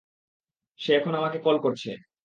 সে এখন আমাকে কল করছে।